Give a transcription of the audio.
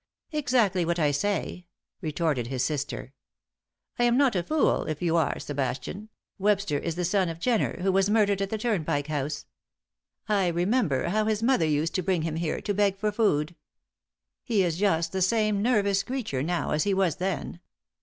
"Exactly what I say," retorted his sister. "I am not a fool, if you are Sebastian, Webster is the son of Jenner, who was murdered at the Turnpike House. I remember how his mother used to bring him here to beg for food. He is just the same nervous creature now as he was then.